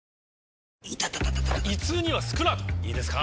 イタタ．．．胃痛にはスクラートいいですか？